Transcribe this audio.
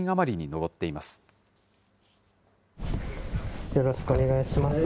よろしくお願いします。